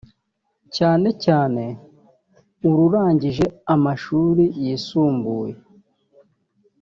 cyane cyane ururangije amashuri yisumbuye